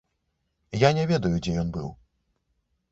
Я не ведаю, дзе ён быў.